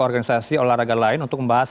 organisasi olahraga lain untuk membahas